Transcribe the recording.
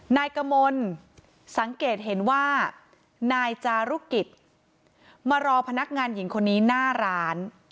นายกมลสังเกตเห็นว่านายจารุกิจมารอพนักงานหญิงคนนี้หน้าร้าน